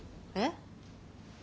えっ？